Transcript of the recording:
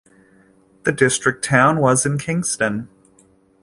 The district town was in Kingston.